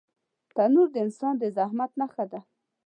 تنور د انسان د زحمت نښه ده